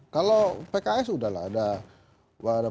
kalau pks udahlah ada